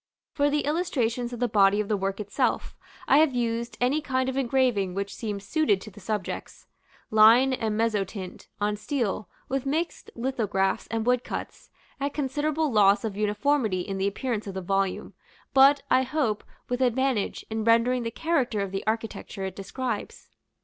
For the illustrations of the body of the work itself, I have used any kind of engraving which seemed suited to the subjects line and mezzotint, on steel, with mixed lithographs and woodcuts, at considerable loss of uniformity in the appearance of the volume, but, I hope, with advantage, in rendering the character of the architecture it describes.